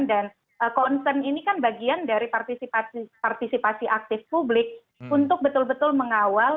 dan concern ini kan bagian dari partisipasi aktif publik untuk betul betul mengawal